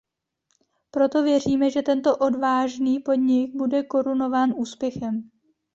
Proto věříme, že tento odvážný podnik bude korunován úspěchem.